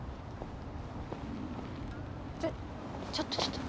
ちょっちょっとちょっと。